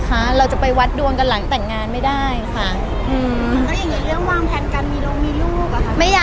ก็เขาก็อยากมีอะท่ะ